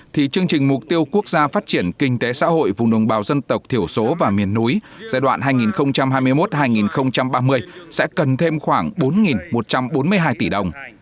thì chương trình mục tiêu quốc gia phát triển kinh tế xã hội vùng đồng bào dân tộc thiểu số và miền núi giai đoạn hai nghìn hai mươi một hai nghìn ba mươi sẽ cần thêm khoảng bốn một trăm bốn mươi hai tỷ đồng